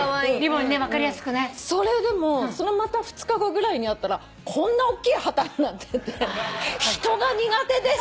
でもそのまた２日後ぐらいに会ったらこんなおっきい旗になってて「人が苦手です」って。